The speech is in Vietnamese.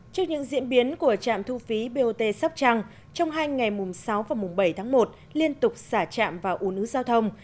trước những diễn biến của trạm thu phí bot sóc trăng trong hai ngày mùng sáu và mùng bảy tháng một liên tục xả trạm và ủ nứ giao thông